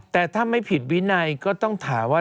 แต่ถ้าไม่ผิดวินัยก็ต้องถามว่า